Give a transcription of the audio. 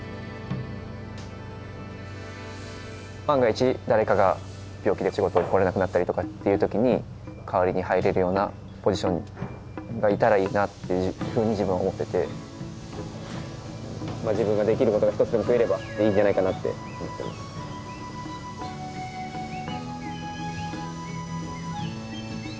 万が一誰かが病気で仕事に来れなくなったりとかっていう時に代わりに入れるようなポジションがいたらいいなってふうに自分は思ってて自分ができることが一つでも増えればいいんじゃないかなって思ってます。